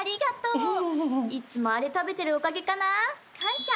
いつもあれ食べてるおかげかな？感謝！